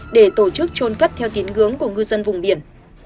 để tổ chức trôn cất theo tín ngưỡng của ngư dân vùng biển